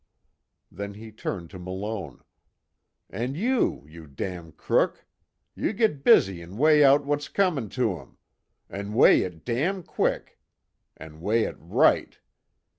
Then he turned to Malone: "An' you, you damn crook! You git busy an' weigh out what's comin' to him. An' weigh it damn quick an' weigh it right.